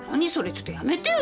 ちょっとやめてよ。